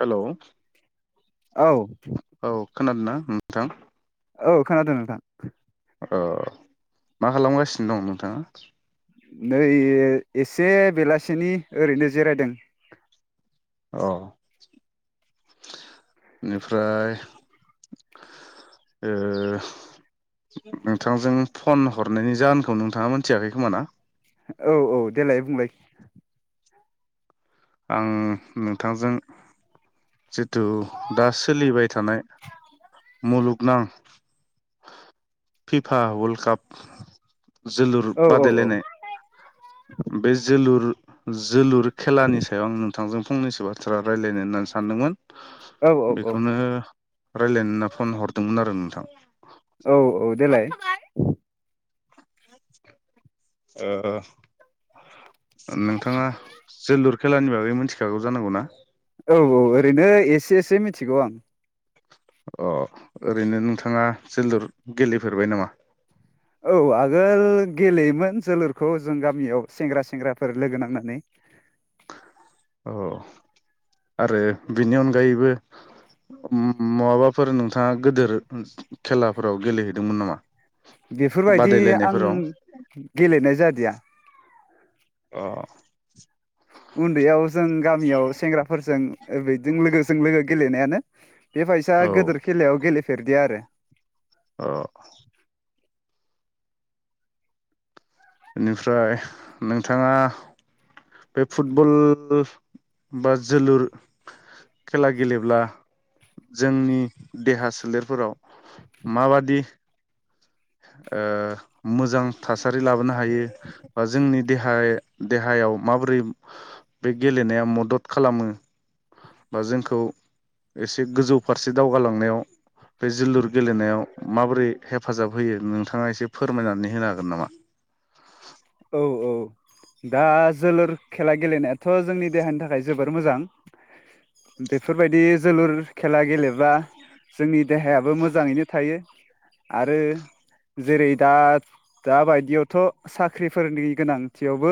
हेल' औ खोनादों नोंथां औ खोनादों नोंथां औ मा खालामगासिनो दं नोंथाङा नै ए से बेलासिनि ओरैनो जिरायदों अ बेनिफ्राय ओं नोंथांजों फन हरनायनि जाहोनखौ नोंथाङा मोनथियाखै खोमा ना? औ औ देलाय बुंलाय आं नोंथांजों जिथु दा सोलिबाय थानाय मुलुगनां फिफा वर्ल्ड काप जोलुर औ औ बादायलायनाय बे जोलुर जोलुर खेलानि सा याव नोंथांजों फनसो बाथ्रा रायज्लायनो होननानै सानदोंमोन। औ औ बेखौनो रायलायनो होनना फन हरदोंमोन आरो नोंथां। औ औ देलाय। ओं नोंथाङा जोलुर खेलानि बागै मिथिखागौ जानांगौ ना? औ औ ओरैनो एसे एसे मिथिगौ आं। अ ओरैनो नोंथाङा जोलुर गेलेफेरबाय नामा? औ आगोल गेलेयोमोन जोलुरखौ जों गामियाव सेंग्रा सेंग्राफोर लोगो नांनानै। अ आरो बेनि अनगायैबो माबाफोर नोंथाङा गेदोर खेलाफोराव गेलेहैदोंमोन नामा? बेफोरबायदि आं बादायलायनायफोराव गेलेनाय जादिया। अ [inaudible] उन्दैयाव जों गामियाव सेंग्राफोरजों बेजों लोगोजों लोगो गेलेनायानो बे बायसा औ गेदेर खेलायाव गेले फेरदिया आरो। अ इनिफ्राय नोंथाङा बे फुटबल बो बा जोलुर खेला गेलेब्ला जोंनि देहा सोलेरफोराव माबादि ओ मोजां थासारि लाबोनो हायो बा जोंनि देहा-देहायाव माबोरै बे गेलेनाया मदद खालामो? बा जोंखौ एसे गोजौ फारसे दावगालांनायाव बे जोलुर गेलेनायाव माबोरै हेफाजाब होयो नोंथाङा एसे फोरमायनानै होनो हागोन नामा? औ औ दा जोलुर खेला गेलेनायाथ' जोंनि देहानि थाखाय जोबोर मोजां बेफोरबायदि जोलुर खेला गेलेबा जोंनि देहायाबो मोजाङैनो थायो। आरो जेरै दा दाबायदियावथ' सा ख्रिफोरनि गोनांथियावबो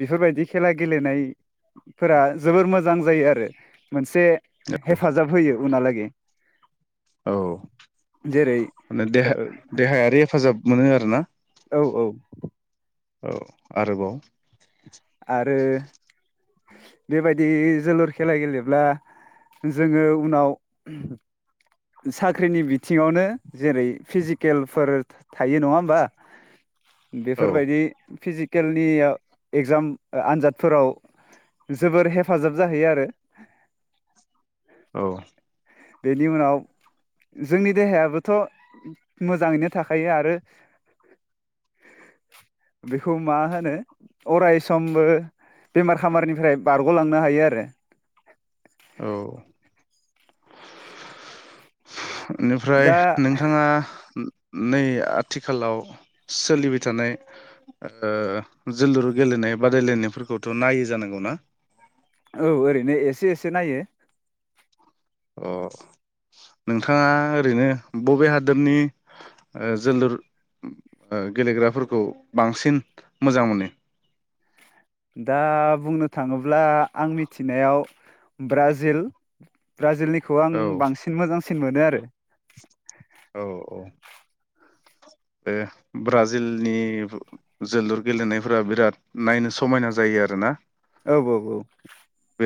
बेफोरबायदि खेला गेलेनायफोरा जोबोर मोजां जायो आरो मोनस से हेफाजाब होयो उनावलागै औ जेरै माने ओ देहा देहायारि हेफाजाब मोनो आरो ना। औ औ। औ आरोबाव आरो बेबायदि जोलुर खेला गेलेब्ला जोङो उनाव साख्रिनि बिथिङावनो जेरै फिजिकेलफोर थायो नङा होमबा? औ बेफोरबायदि फिजिक केलनि ओ एगजाम ओ आनजादफोराव जोबोर हेफाजाब जाहैयो आरो। औ बेनि उनाव जोंनि देहायाबोथ' मोजाङैनो थाखायो आरो बेखौ मा होनो अराय सममबो बेमार खामारनिफ्राय बारग'लांनो हायो आरो। औ बेनिफ्राय दा नोंथाङा नै आथिखालाव सोलिबाय थानाय ओ जोलुर गेलेनाय बादायलायनायफोरखौथ' नायो जानांगौना? औ ओरैनो एसे एसे नायो। अ' नोंथाङा ओरैनो बबे हादोरनि ओ जोलुर ओ गेलेग्राफोरखौ बांसिन मोजां मोनो? दा बुंनो थाङोब्ला आं मिथिनायाव ब्राजिल। ब्राजिलनिखौ आं औ बांसिन मोजांसिन मोनो आरो। [inaudible] औ औ ओ ब्राजिलनि जोलुर गेलेनायफोरा बिराद नायनो समायना जायो आरोना? औ औ औ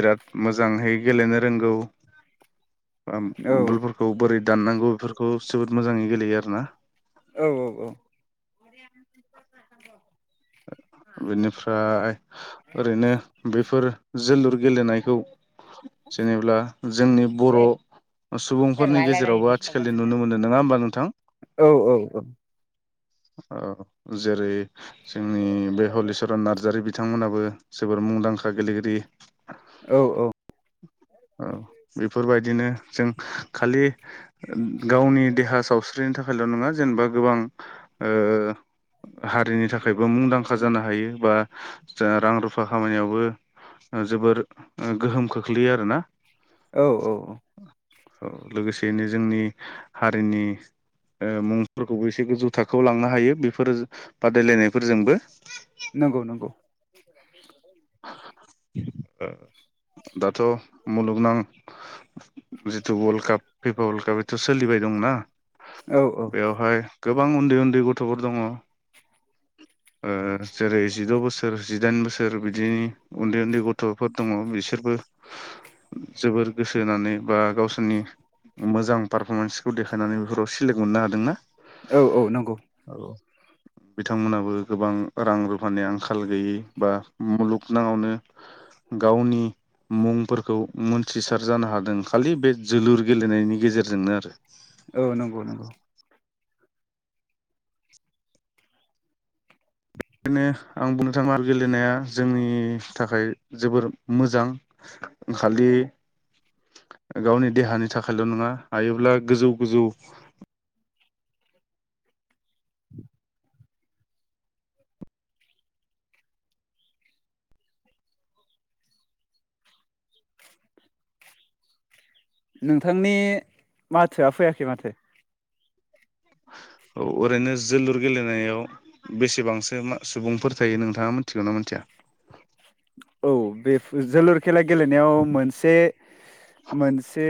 बिराद मोजाङै गेलेनो रोंगौ। ओम औ बुलफोरखौ बोरै दाननांगौ बेफोरखौ जोबोद मोजाङै गेलेयो आरो ना। औ औ औ बेनिफ्राय ओरैनो बेफोर जोलुर गेलेनायखौ जेनेल्बा जोंनि बर' सुबुंफोरनि गेजेरावबो आथिखालनि नुनो मोनो नङा होमबा नोंथां। औ जेरै जोंनि बे हलिचरन नार्जारि बिथांमोनाबो जोबोर मुंदांखा गेलेगिरि औ औ बेफोरबायदि बिदिनो जों खालि गावनि देहा सावस्रिनि थाखायल' नङा जेनेबा गोबां ओ हारिनि थाखायबो मुंदांखा जानो हायो बा जा रां रुफा खामानियावबो जोबोर गोहोम खोख्लैयो आरोना औ औ औ औ लोगोसेैनो जोंनि हारिनि ओ मुंफोरखौबो एसे गोजौ थाखो खौ लांनो हायो बेफोर बादायलायनायफोरजोंबो नंगौ नंगौ ओ दाथ' मुलुगनां जिथु वर्ल्ड काप फफा वर्ल्ड काप बेथ' सोलिबाय दंना औ औ बेवहाय गोबां उन्दै उन्दै गथ'फोर दङ ओ जेरै जिद' बो बोसोर जिदाइन बोसोर बिदि बिनि उन्दै उन्दै गथ'फोर दङ बिसोरबो जोबोर गोसो होनानै बा गावसोरनि मोजां पारफरमेन्सखौ देखायनानै बेफोराव सेलेक्ट मोननो हादोंना औ औ नंगौ बिथांमोनाबो गोबां रां रुफानि आंखाल गैयि बा मुलुगनङावनो गावनि मुंफोरखौ मोनथिसार जानो हादों खालि बे जोलुर गेलेनायनि गेजेरजोंनो आरो औ नंगौ नंगौ बेखायनो आं बुंनो थाङा आरो गेलेनाया जोंनि थाखाय जोबोर मोजां खालि गावनि देहानि थाखायल' नङा हायोब्ला गोजौ गोजौ नोंथांनि माथोआ फैयाखै माथो औ ओरैनो जोलुर गेलेनायाव बेसेबांसो सुबुंफोर थायो नोंथाङा मिथिगौ ना मिथिया औ बे जोलुर खेला गेलेनायाव मोनसे मोनसे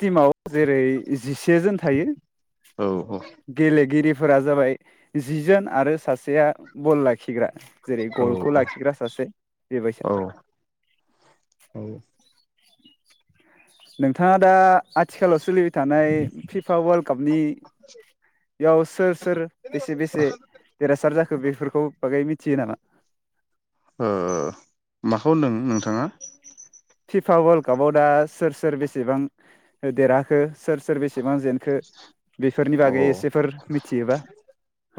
टिमाव जेरै जिसे जोन थायो औ औ गेलेगिरि फोरा जाबाय जिजोन आरो सासेया बल लाखिग्रा जेरै औ गलखौ लाखिग्रा सासे बायैस औ औ ओ नोंथांङा दा आथिखालाव सोलिबाय थानाय फिफा वर्ल्ड कापनियाव सोर सोर बेसे बेसे देरहासार जाखो बेफोरखौ बागै मिथियो नामा माखौ होनदों नोंथांङा फिफा वर्ल्ड कापाव दा सोर सोर बेसेबां देरहाखो सोर सोर बेसेबां जेनखो बेफोरनि अ बागै एसेफोर मिथियोबा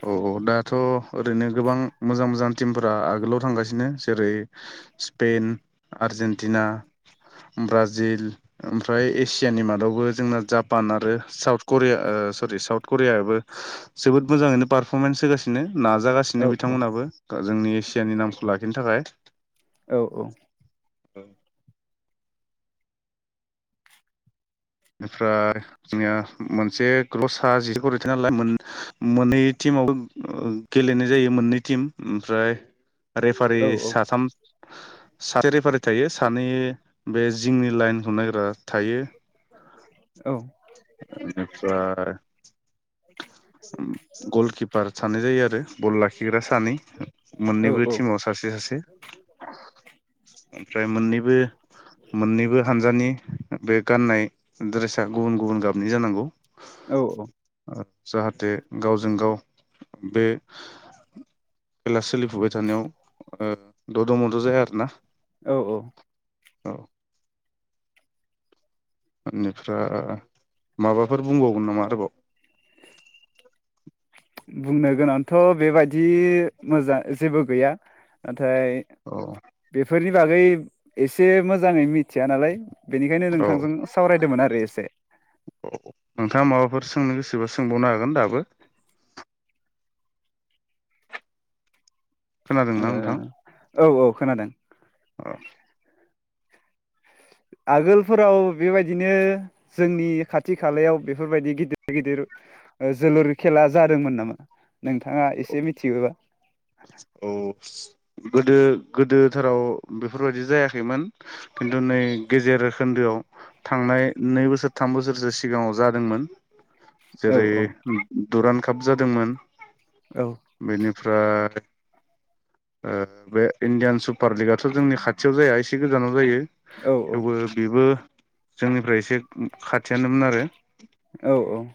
औ दाथ' ओरैनो गोबां मोजां मोजां टिमफोरा आगोलाव थांगासिनो जेरै स्पेन आर्जेनटिना ब्राजिल ओमफ्राय एसियानि मादावबो जोंना जापान आरो साउथ करिया सरि साउथ करियाबो जोबोद मोजाङैनो पारफरमेन्स होगासिनो नाजागासिनो औ औ बिथांमोनहाबो जोंनि एसियानि नामखौ लाखिनो थाखाय औ औ औ । ओमफ्राय जोंनिया मोनसे ग्लस जिथरिथ नालाय मोननै टिमावबो गेलेनाय जायो मोननै टिम ओमफ्राय रेफारि औ औ साथाम सारि फारि थायो सानै बे जिंनि लाइनखौ नायग्रा थायो औ इनिफ्राय गलकिपार सानै जायो आरो गल लाखिग्रा सानै औ मोननैबो टिमाव सासे सासे ओमफ्राय मोननैबो मोननैबो हानजानि बे गान्नाय ड्रेसा गुबुन गुबुन गाबनि जानांगौ। औ औ । जाहाथे गावजों गाव बे खेला सोलिफुबाय थानायाव दद' मद' जाया आरो ना । औ औ । औ । बेनिफ्राय माबाफोर बुंबावगोन नामा आरोबाव? बुंनो गोनांथ' बेबायाददि मोजां जेबो गैया नाथाय औ बेफोरनि बागै एसे मोजाङै मिथिया नालाय बेनिखायनो औ नोंथांजों सावरायदोंमोन आरो एसे नोंथाआ माबाफोर सोंनो गोसोबा सोंबावनो हागोन दाबो। खोनादोंना नोंथां ओ औ औ खोनादों। औ आगोलफोराव बेबायदिनो जोंनि खाथि खालायाव बेफोरबायदि गिदिर गिदिर जोलुर खेला जादोंमोन नामा नोंथाङा एसे मिथियोबा औ गोदो गोदोथोराव बेफोरबायाददि जायाखैमोन खिन्थु नै गेजेर खोन्दोआव थांनाय नै बोसोर थाम बोसोरसो सिगाङाव जादोंमोन। औ जेरै औ दुरानखा थाब जादोंमोन। औ बेनिफ्राय ओ बे इण्डियान सुपार लिगाथ' जोंनि खाथियाव जाया एसे गोजानाव जायो। औ थेवबो बेबो जोंनिफ्राय एसे खाथियानोमोन आरो। औ औ।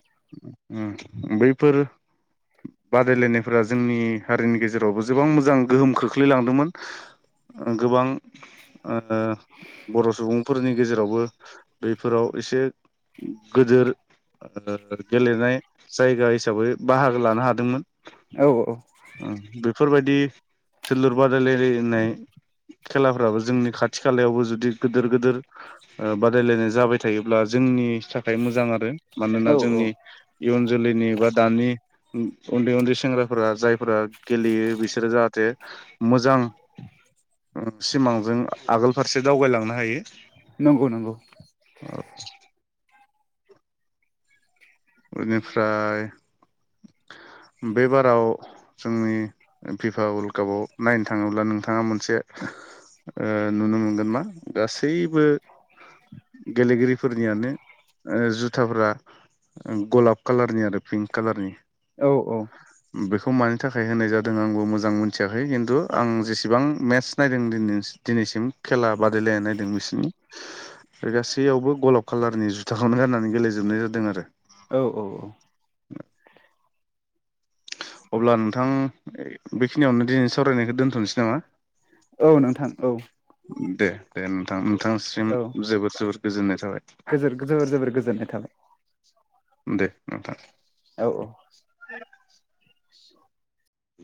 ओम बैफोर बादायलायनायफोरा जोंनि हारिनि गेजेराव जेरावबो गोबां मोजां गोहोम खोख्लैलांदोंमोन गोबां ओ बर' सुबुं फोरनि गेजेरावबो बैफोराव एसे गदोर गेलेनाय जायगा हिसाबै बाहागो लानो हादोंमोन। औ औ। बेफोरबायदि जोलुर बादायलायनाय खेलाफ्राबो जोंनि खाथि खालायावबो जुदि गिदिर गिदिर बादायलायनाय जाबाय थायोब्ला जोंनि थाखाय मोजां आरो औ मानोना औ जोंनि इयुन जोलैनि बा दानि उन्दै उन्दै सेंग्राफोरा जायफोरा गेलेयो बिसोरो जाहाथे मोजां [inaudible] सिमांजों आगोल फारसे दावगायलांनो हायो। नंगौ नंगौ। [inaudible] बेनिफ्राय बे बाराव जोंनि फिफा वर्ल्ड कापआव नायनो थाङोब्ला नोंथाङा मोनसे ओ नुनो मोनगोन मा गासैबो गेलेगिरिफोरनियानो जुथाफ्रा गलाब कालारनि आरो पिंक कालारनि। औ बेखौ मानि थाखाय होनाय जादों आंबो मोजां मोनथियाखै खिन्थु आं जेसेबां मेट्स नायदों दि दिनैसिम खेला बादायलायनाय नायदों बिसिनि बे गासैयावबो गलाब कालारनि जुथाखौनो गाननानै गेलेजोबनाय जादों आरो। औ औ औ। अब्ला नोंथां बेखिनियावनो दिनै सावरायनायखौ दोन्थनोसै नामा? औ नोंथां औ। दे दे। थां नोंथांसिम औ जोबोद जोर। गोजोननाय थाबाय। गोजोर जोबोर जोबोर गोजोननाय थाबाय। दे नोंथां। औ औ। [inaudible]